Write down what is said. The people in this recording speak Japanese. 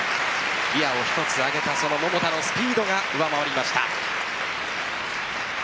ギアを１つ上げた桃田のスピードが上回りました。